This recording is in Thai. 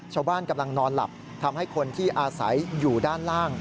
ชาวบ้านกำลังนอนหลับทำให้คนที่อาศัยอยู่ด้านล่าง